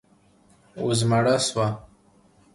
وزمړه سوه.